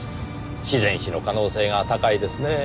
自然死の可能性が高いですねぇ。